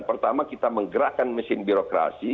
pertama kita menggerakkan mesin birokrasi